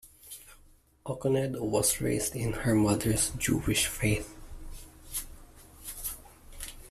Okonedo was raised in her mother's Jewish faith.